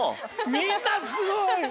みんなすごい。